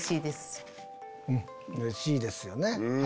うれしいですよね。